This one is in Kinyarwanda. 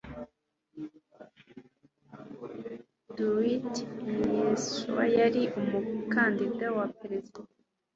dwight eisenhower yari umukandida wa perezida